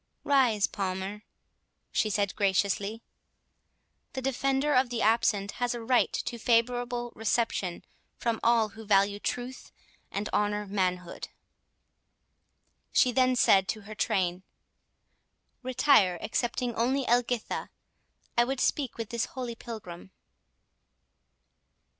"Rise, Palmer," said she graciously. "The defender of the absent has a right to favourable reception from all who value truth, and honour manhood." She then said to her train, "Retire, excepting only Elgitha; I would speak with this holy Pilgrim."